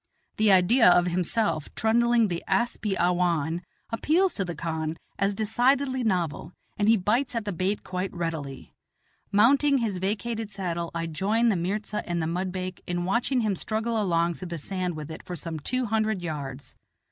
The idea of himself trundling the asp i awhan appeals to the khan as decidedly novel, and he bites at the bait quite readily. Mounting his vacated saddle, I join the mirza and the mudbake in watching him struggle along through the sand with it for some two hundred yards.